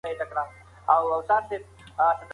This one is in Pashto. یووالی او ورورولي زموږ هدف دی.